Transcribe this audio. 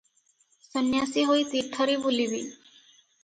ସନ୍ୟାସୀ ହୋଇ ତୀର୍ଥରେ ବୁଲିବି ।